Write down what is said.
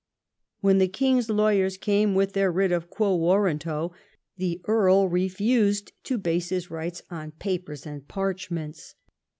When the king's lawyers came with their writ of quo warranto, the Earl refused to base his rights on papers and parchments.